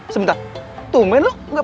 sebentar tuh men lo gak peduli